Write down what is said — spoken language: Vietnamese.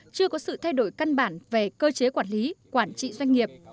chưa có sự thay đổi căn bản về cơ chế quản lý quản trị doanh nghiệp